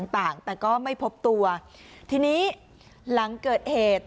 ต่างแต่ก็ไม่พบตัวทีนี้หลังเกิดเหตุ